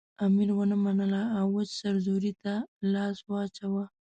امیر ونه منله او وچ سرزوری ته لاس واچاوه.